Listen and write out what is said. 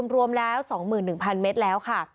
รวมแล้ว๒๑๐๐เมตรแล้วค่ะ